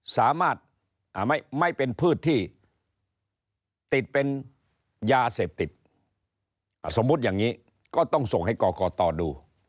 สามารถไม่เป็นพืชที่ติดเป็นยาเสพติดสมมุติอย่างนี้ก็ต้องส่งให้กรกตดู